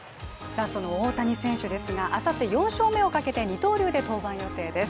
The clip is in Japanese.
さあ大谷選手ですがあさって、４勝目をかけて二刀流で登板予定です